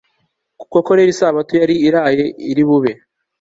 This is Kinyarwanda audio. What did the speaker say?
koko rero isabato yari iraye iri bube